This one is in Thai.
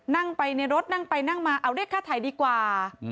นั่งไปในรถนั่งไปนั่งมาเอาเรียกค่าถ่ายดีกว่า